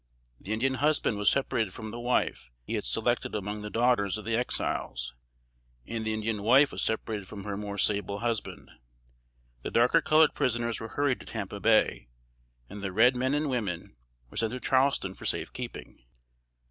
The Indian husband was separated from the wife he had selected among the daughters of the Exiles; and the Indian wife was separated from her more sable husband. The darker colored prisoners were hurried to Tampa Bay, and the red men and women were sent to Charleston for safe keeping.